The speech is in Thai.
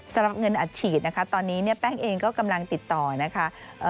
สำหรับเงินอัดฉีดนะคะตอนนี้เนี่ยแป้งเองก็กำลังติดต่อนะคะ